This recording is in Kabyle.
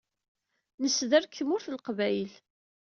Nesder deg Tmurt n Leqbayel.